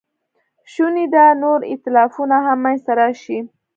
شونې ده نور ایتلافونه هم منځ ته راشي.